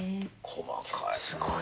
細かいね。